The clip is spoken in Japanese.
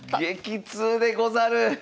激痛でござる！